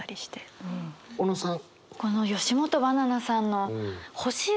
小野さん。